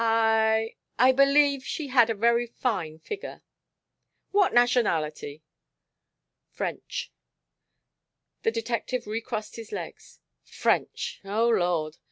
I I believe she had a very fine figure." "What nationality?" "French." The detective recrossed his legs. "French. Oh, Lord!